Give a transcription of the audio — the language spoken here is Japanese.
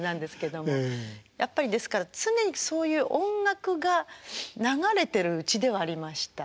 やっぱりですから常にそういう音楽が流れてるうちではありました。